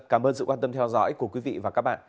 cảm ơn sự quan tâm theo dõi của quý vị và các bạn